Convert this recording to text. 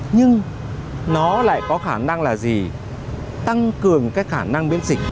nhưng nó lại có khả năng là gì tăng cường cái khả năng biến dịch